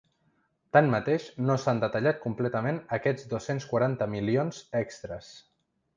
Tanmateix, no s’han detallat completament aquests dos-cents quaranta milions extres.